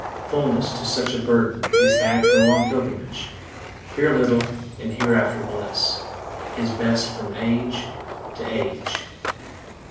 Fullness to such a burden is That go on pilgrimage: 10 Here little, and hereafter bliss, Is best from age to age.